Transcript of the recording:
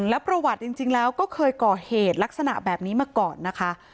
แล้วประวัติจริงแล้วก็เคยก่อเหตุลักษณะแบบนี้มาก่อนนะคะ